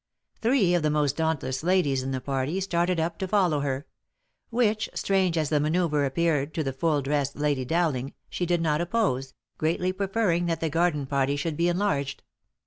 Three of the most daunt less ladies in the party started up to follow her ; which, strange as the manoeuvre appeared to the full dressed Lady Dowling, she did not oppose, greatly preferring that the garden party should be enlarged.